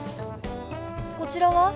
こちらは？